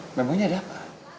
memangnya ada apa